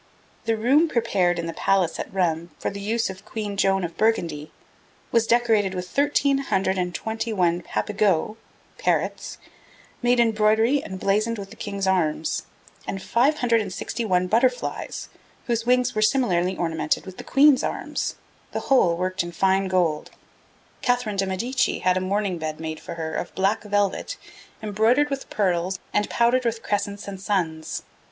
{334b} The room prepared in the palace at Rheims for the use of Queen Joan of Burgundy was decorated with 'thirteen hundred and twenty one papegauts (parrots) made in broidery and blazoned with the King's arms, and five hundred and sixty one butterflies, whose wings were similarly ornamented with the Queen's arms the whole worked in fine gold.' Catherine de Medicis had a mourning bed made for her 'of black velvet embroidered with pearls and powdered with crescents and suns.'